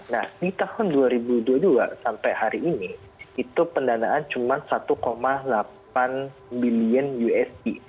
nah di tahun dua ribu dua puluh dua sampai hari ini itu pendanaan cuma satu delapan bilion usd